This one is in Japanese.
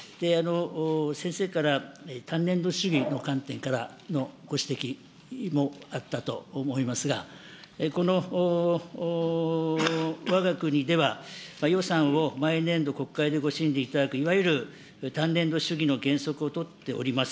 先生から単年度主義の観点からのご指摘もあったと思いますが、このわが国では予算を毎年度、国会でご審議いただく、いわゆる単年度主義の原則を取っております。